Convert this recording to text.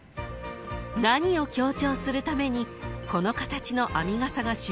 ［何を強調するためにこの形の編みがさが主流になったのか］